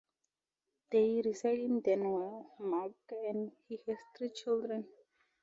They reside in Denmark and he has three children.